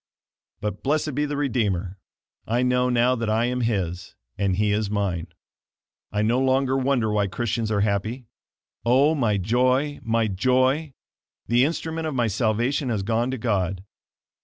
But blessed be the Redeemer, I know now that I am His, and He is mine. I no longer wonder why Christians are happy. Oh, my joy, my joy! The instrument of my salvation has gone to God.